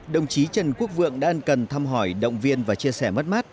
đồng chí trần quốc vượng đã ân cần thăm hỏi động viên và chia sẻ mất mát